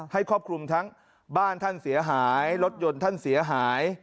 ครอบคลุมทั้งบ้านท่านเสียหายรถยนต์ท่านเสียหาย